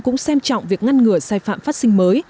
cũng xem trọng việc ngăn ngừa sai phạm phát sinh mới